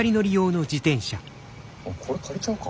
これ借りちゃうか。